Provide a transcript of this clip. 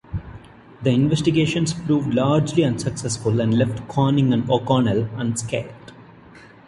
The investigations proved largely unsuccessful and left Corning and O'Connell unscathed.